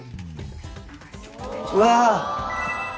うわ！